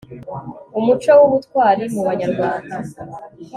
umuco w'ubutwari mu banyarwanda